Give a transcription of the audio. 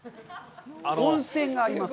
温泉があります。